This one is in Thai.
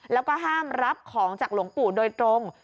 แล้วก็ห้ามรับของจากหลวงปู่โดยตรง